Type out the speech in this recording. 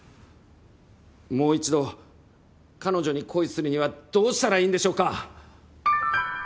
もう一度彼女に恋するにはどうしたらいいんでしょうか？